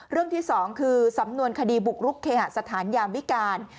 เรื่องที่๒คือสำนวนคดีบุกรุกเคหสถานยามวิการ